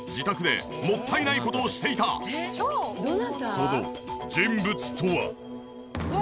その人物とは。